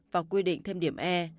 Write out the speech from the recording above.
và quy định thêm điểm e